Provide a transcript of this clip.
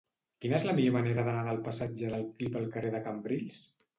Quina és la millor manera d'anar del passatge de Clip al carrer de Cambrils?